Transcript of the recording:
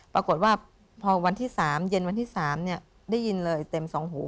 ปรากฏว่าพอวันที่๓เย็นวันที่๓ได้ยินเลยเต็มสองหู